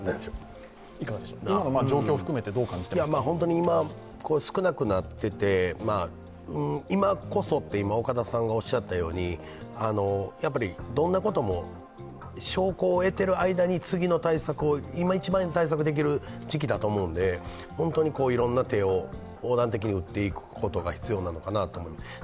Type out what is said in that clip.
今、少なくなっていて、今こそと岡田さんがおっしゃったように、どんなことも小康を得ている間に次の対策を今、一番対策できる時期だと思うのでいろんな手を横断的に打っていくことが必要かなと思います。